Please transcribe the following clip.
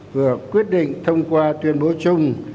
vừa quyết định thông qua tuyên bố chung